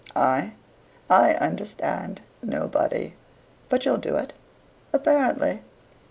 "I? I understand nobody." "But you'll do it?" "Apparently."